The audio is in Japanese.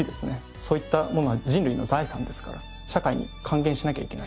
そういったものは人類の財産ですから社会に還元しなきゃいけない。